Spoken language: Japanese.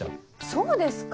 そうですか？